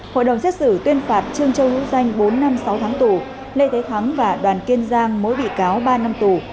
hội đồng xét xử tuyên phạt trương châu hữu danh bốn năm sáu tháng tù lê thế thắng và đoàn kiên giang mỗi bị cáo ba năm tù